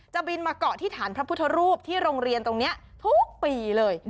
บินมาเกาะที่ฐานพระพุทธรูปที่โรงเรียนตรงนี้ทุกปีเลย